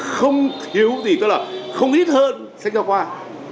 không thiếu gì tức là không ít hơn sách giáo khoa